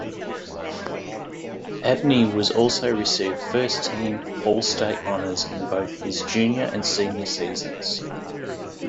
Abney was also received first-team all-state honors in both his junior and senior seasons.